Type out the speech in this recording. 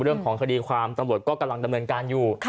เรื่องของคดีความตำรวจก็กำลังดำเนินการอยู่